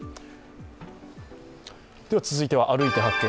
続いては「歩いて発見！